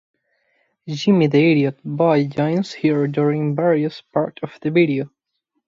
Jimmy the Idiot Boy joins her during various parts of the video.